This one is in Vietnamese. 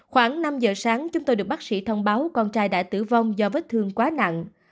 khoảng năm giờ sáng chúng tôi được bác sĩ thông báo con trai đã tử vong do vết thương quá nặng